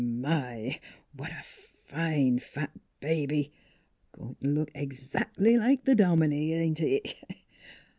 My ! What a fine fat baby ! Coin' t' look exac'ly like th' dominie; ain't it?